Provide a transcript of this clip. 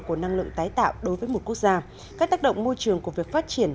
của năng lượng tái tạo đối với một quốc gia các tác động môi trường của việc phát triển